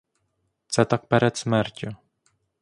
Це так перед смертю.